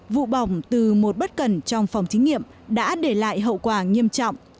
vụ bỏng từ một bất cần trong phòng thí nghiệm đã để lại hậu quả nghiêm trọng